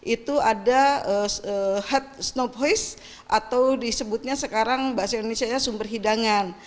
itu ada hat snow poise atau disebutnya sekarang bahasa indonesia sumber hidangan